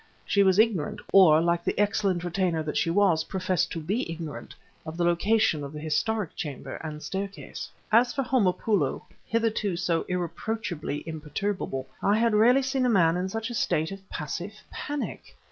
She was ignorant (or, like the excellent retainer that she was, professed to be ignorant) of the location of the historic chamber and staircase. As for Homopoulo, hitherto so irreproachably imperturbable, I had rarely seen a man in such a state of passive panic.